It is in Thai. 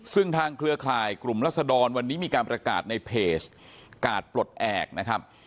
ซึ่งทางเครือข่ายกลุ่มรัศดรวันนี้มีการประกาศในเพจกาดปลดแอบนะครับ